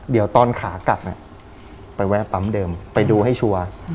เดี๋ยวตอนขากลับไปแวะปั๊มเดิมไปดูให้ชัวร์